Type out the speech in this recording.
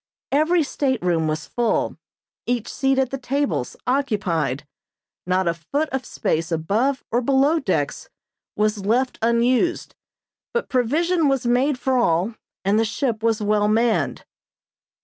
Every stateroom was full; each seat at the tables occupied. Not a foot of space above or below decks was left unused, but provision was made for all, and the ship was well manned.